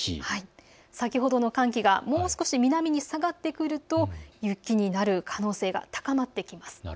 先ほどの寒気がもう少し南に下がってくると雪になる可能性が高まってきます。